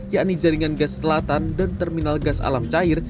yakni jaringan gas selatan dan terminal gas alam cair